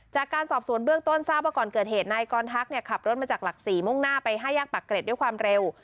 จากการสอบสวนเบื้องต้นทราบว่าก่อนเกิดเหตุนายกรทักขับรถมาจากหลัก๔มุ่งหน้าไป๕แยกปากเกร็ดด้วยความเร็ว